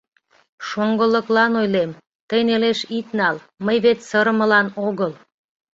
Шоҥгылыклан ойлем, тый нелеш ит нал, мый вет сырымылан огыл...